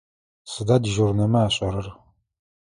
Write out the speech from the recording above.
Сыда дежурнэмэ ашӏэрэр?